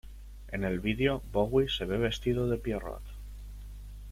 En el vídeo, Bowie se ve vestido de Pierrot.